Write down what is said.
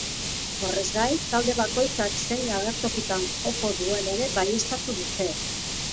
Horrez gain, talde bakoitzak zein agertokitan joko duen ere baieztatu dute.